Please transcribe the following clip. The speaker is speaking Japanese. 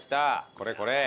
これこれ！